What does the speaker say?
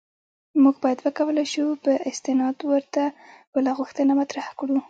موږ باید وکولای شو په استناد ورته بله غوښتنه مطرح کړو.